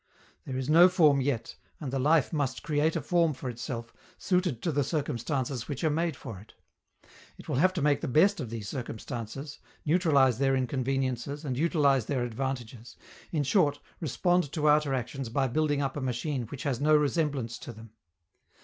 There is no form yet, and the life must create a form for itself, suited to the circumstances which are made for it. It will have to make the best of these circumstances, neutralize their inconveniences and utilize their advantages in short, respond to outer actions by building up a machine which has no resemblance to them.